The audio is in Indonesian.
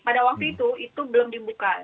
pada waktu itu itu belum dibuka